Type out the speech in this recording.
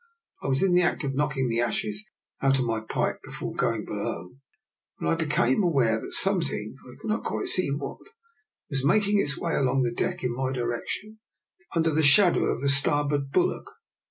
I was in the act of knocking the ashes out of my pipe before going below, when I be came aware that something, I could not quite see what, was making its way along the deck in my direction under the shadow of the star board bulwark.